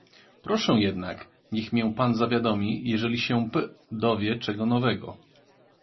"Proszę jednak, niech mię pan zawiadomi, jeżeli się p. dowie czego nowego."